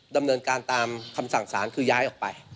ดำเนินการตามคำสั่งสารคือย้ายออกไป